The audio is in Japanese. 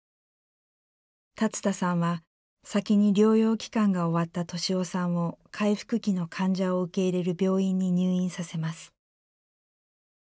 龍田さんは先に療養期間が終わった敏夫さんを回復期の患者を受け入れる病院に入院させます。